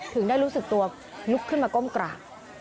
ถึงได้รู้สึกตัวลุกขึ้นมาก้มกราบ